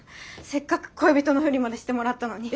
せっかく恋人のふりまでしてもらったのに。